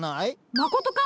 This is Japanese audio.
まことか？